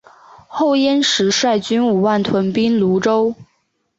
后燕时率军五万屯兵潞川。